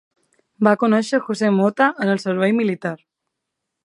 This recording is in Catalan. Va conèixer José Mota en el Servei Militar.